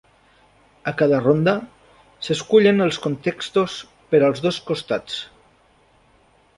A cada ronda, s"escullen els contextos per als dos costats.